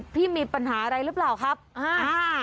พี่มีปัญหาอะไรรึเปล่าครับอ่าอ่า